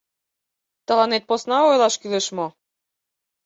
Тыланет посна ойлаш кӱлеш мо?